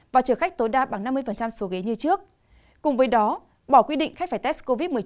và chở khách tối đa bằng năm mươi số ghế như trước cùng với đó bỏ quy định khách phải test covid một mươi chín